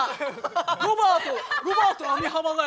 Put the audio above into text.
ロバートロバート網浜だよ。